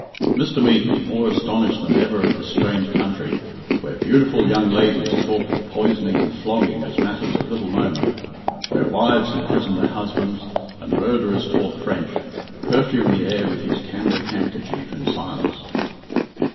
Mr. Meekin, more astonished than ever at this strange country, where beautiful young ladies talked of poisoning and flogging as matters of little moment, where wives imprisoned their husbands, and murderers taught French, perfumed the air with his cambric handkerchief in silence.